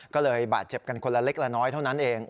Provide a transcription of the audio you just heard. ก็เลยบาดเจ็บกันคนละเล็กละน้อยเท่านั้นเอง